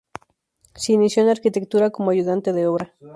Se inició en la arquitectura como ayudante de obra.